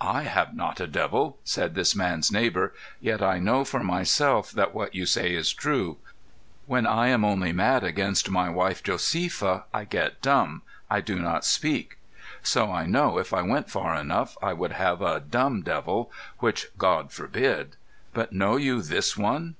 "I have not a devil," said this man's neighbor, "yet I know for myself that what you say is true. When I am only mad against my wife Josepha I get dumb I do not speak! So I know if I went far enough I would have a dumb devil, which God forbid! But know you this one?"